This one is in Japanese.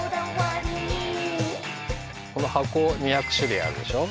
この箱２００しゅるいあるでしょ。